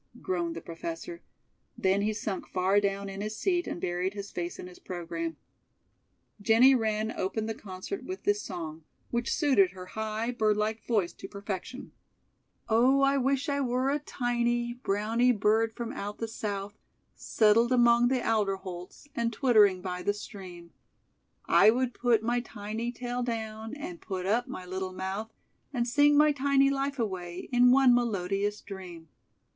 groaned the Professor. Then he sunk far down in his seat and buried his face in his program. Jenny Wren opened the concert with this song, which suited her high, bird like voice to perfection: "'Oh, I wish I were a tiny, Browny bird from out the South, Settled among the alderholts And twittering by the stream; I would put my tiny tail down And put up my little mouth, And sing my tiny life away In one melodious dream.